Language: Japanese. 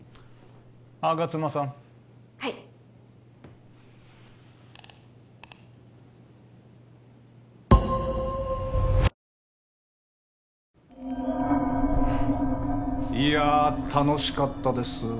吾妻さんはいいやあ楽しかったです